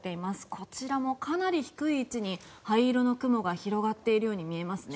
こちらもかなり低い位置に灰色の雲が広がっているように見えますね。